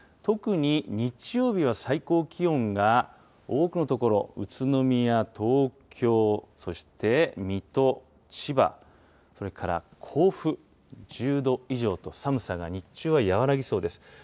特に日曜日は最高気温が多くの所、宇都宮、東京、そして水戸、千葉、それから甲府、１０度以上と、寒さが日中は和らぎそうです。